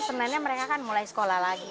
sebenarnya mereka kan mulai sekolah lagi